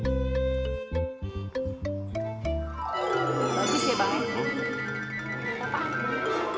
bagus ya bang